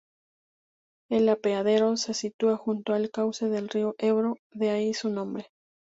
El apeadero se sitúa junto al cauce del río Ebro, de ahí su nombre.